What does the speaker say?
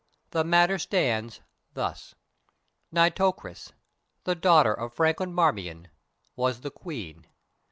The matter stands thus: Nitocris, the daughter of Franklin Marmion, was the Queen.